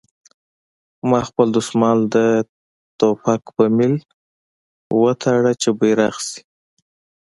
ما خپل دسمال د ټوپک په میل وتاړه چې بیرغ شي